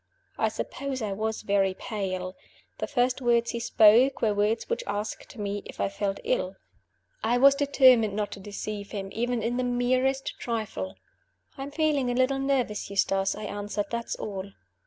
I suppose I was very pale. The first words he spoke were words which asked me if I felt ill. I was determined not to deceive him, even in the merest trifle. "I am feeling a little nervous, Eustace," I answered; "that is all."